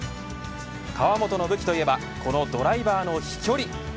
河本の武器といえばこのドライバーの飛距離。